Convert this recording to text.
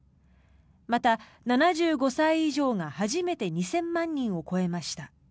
また、７５歳以上が初めて２０００万人を超えました。